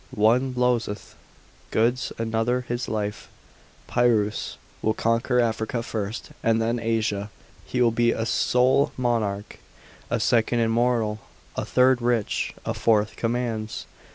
One loseth goods, another his life; Pyrrhus will conquer Africa first, and then Asia: he will be a sole monarch, a second immortal, a third rich; a fourth commands.